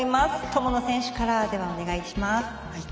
友野選手からお願いします。